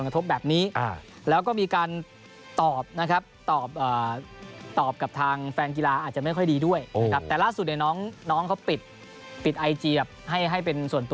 แต่ว่าระหว่างทางกลับเนี่ยแน่นอน